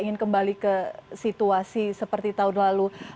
ingin kembali ke situasi seperti tahun lalu